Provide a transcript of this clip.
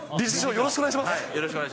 よろしくお願いします。